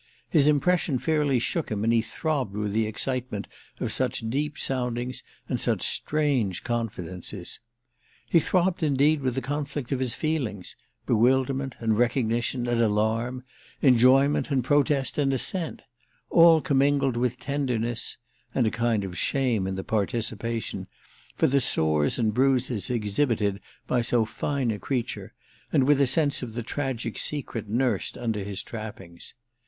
His impression fairly shook him and he throbbed with the excitement of such deep soundings and such strange confidences. He throbbed indeed with the conflict of his feelings—bewilderment and recognition and alarm, enjoyment and protest and assent, all commingled with tenderness (and a kind of shame in the participation) for the sores and bruises exhibited by so fine a creature, and with a sense of the tragic secret nursed under his trappings.